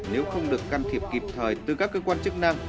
nếu không được can thiệp kịp thời từ các cơ quan chức năng